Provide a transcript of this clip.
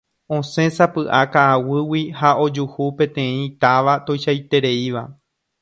osẽsapy'a ka'aguýgui ha ojuhu peteĩ táva tuichaitereíva